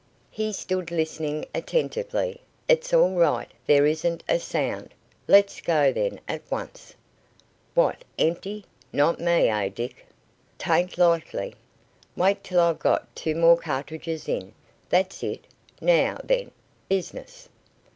He stood listening attentively. "It's all right. There isn't a sound." "Let's go then, at once." "What, empty? Not me, eh, Dick?" "'Taint likely. Wait till I've got two more cartridges in. That's it Now then, business."